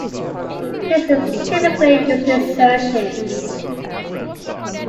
This is typically used in searching.